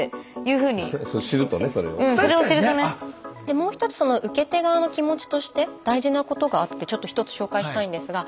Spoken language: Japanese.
もう一つ受け手側の気持ちとして大事なことがあってちょっと１つ紹介したいんですが。